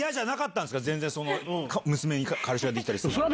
娘に彼氏ができたりするのは。